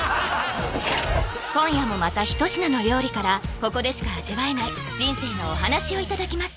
今夜もまた一品の料理からここでしか味わえない人生のお話をいただきます